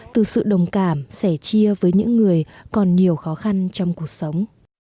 từ sự đồng cảm sẻ chia với những người còn nhiều khó khăn trong cuộc sống